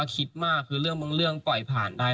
คิดมากคือเรื่องบางเรื่องปล่อยผ่านได้